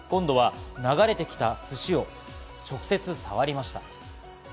今度は流れてきたすしを直接、触りました。